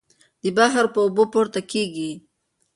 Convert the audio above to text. د بحر اوبه پورته کېږي.